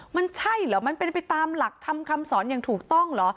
มันใช่เหรอมันเป็นไปตามหลักธรรมคำสอนอย่างถูกต้องเหรอ